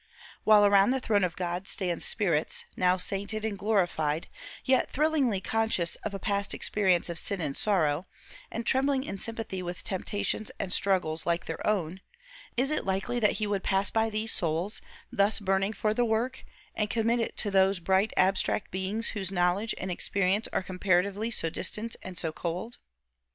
While around the throne of God stand spirits, now sainted and glorified, yet thrillingly conscious of a past experience of sin and sorrow, and trembling in sympathy with temptations and struggles like their own, is it likely that he would pass by these souls, thus burning for the work, and commit it to those bright abstract beings whose knowledge and experience are comparatively so distant and so cold?